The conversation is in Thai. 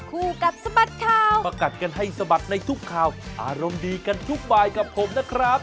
คู่กัดสะบัดข่าวประกัดกันให้สะบัดในทุกข่าวอารมณ์ดีกันทุกบายกับผมนะครับ